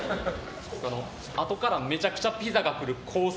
あとからめちゃくちゃピザが来るコース